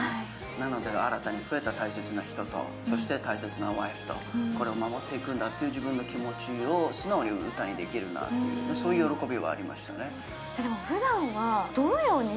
なので新たに増えた大切な人と、そして大切なワイフとこれを守っていくんだという自分の気持ちを素直に歌にできるなというそういう喜びはありましたね。